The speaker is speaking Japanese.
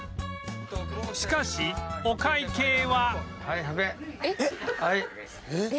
しかしお会計は